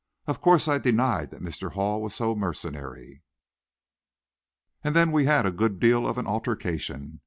Of course I denied that Mr. Hall was so mercenary, and then we had a good deal of an altercation.